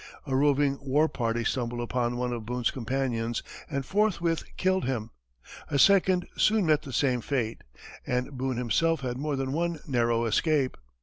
A roving war party stumbled upon one of Boone's companions, and forthwith killed him; a second soon met the same fate, and Boone himself had more than one narrow escape.